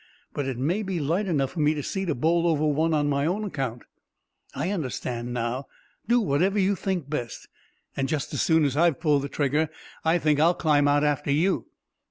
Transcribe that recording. But it may be light enough for me to see to bowl over one on my own account." "I understand now. Do whatever you think best. And just as soon as I've pulled the trigger I think I'll climb out after you."